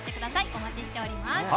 お待ちしております。